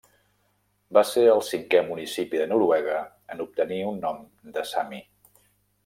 Va ser el cinquè municipi de Noruega en obtenir un nom de Sami.